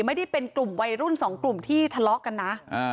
ไม่ได้เป็นกลุ่มวัยรุ่นสองกลุ่มที่ทะเลาะกันนะ